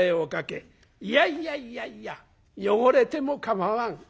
いやいやいやいや汚れても構わん」。